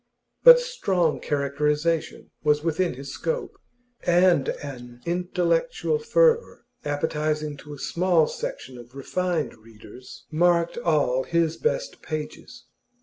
But strong characterisation was within his scope, and an intellectual fervour, appetising to a small section of refined readers, marked all his best pages.